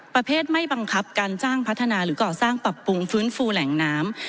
ประเภทไม่บังคับการจ้างพัฒนาหรือก่อสร้างปรับปรุงฟื้นฟูแหล่งน้ำ